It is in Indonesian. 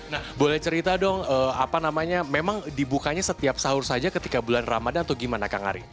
nah boleh cerita dong apa namanya memang dibukanya setiap sahur saja ketika bulan ramadan atau gimana kang ari